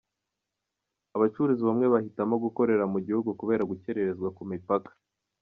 Abacuruzi bamwe bahitamo gukorera mu gihugu kubera gukererezwa ku mipaka